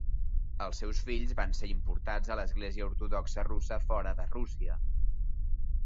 Els seus fills van ser importants a l'Església Ortodoxa Russa fora de Rússia.